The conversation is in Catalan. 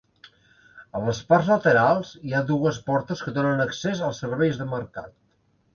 A les parts laterals hi ha dues portes que donen accés als serveis de mercat.